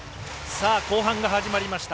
後半が始まりました。